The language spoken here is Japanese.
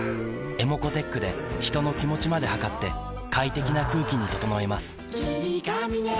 ｅｍｏｃｏーｔｅｃｈで人の気持ちまで測って快適な空気に整えます